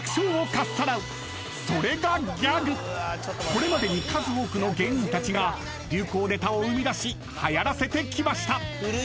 ［これまでに数多くの芸人たちが流行ネタを生み出しはやらせてきました］